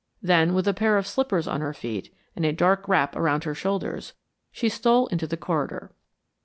Then, with a pair of slippers on her feet and a dark wrap round her shoulders, she stole into the corridor.